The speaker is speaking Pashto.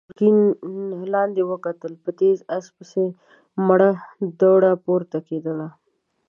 ګرګين لاندې وکتل، په تېز آس پسې مړه دوړه پورته کېدله.